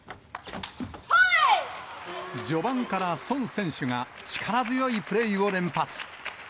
序盤から孫選手が、力強いプレーを連発。